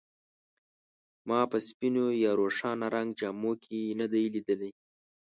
ما په سپینو یا روښانه رنګ جامو کې نه دی لیدلی.